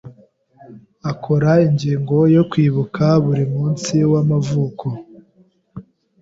Akora ingingo yo kwibuka buri munsi wamavuko.